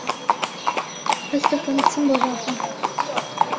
حەز دەکەم بچم بۆ ژاپۆن.